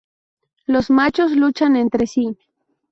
Los machos luchan entre sí.